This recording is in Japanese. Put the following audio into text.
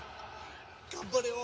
頑張れよ！